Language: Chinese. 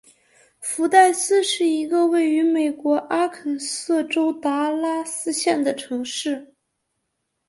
福代斯是一个位于美国阿肯色州达拉斯县的城市。